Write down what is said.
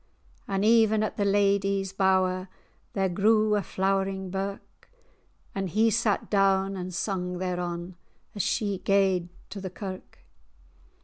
And even at the ladye's bour[#] There grew a flowering birk; And he sat down and sung thereon As she gaed to the kirk.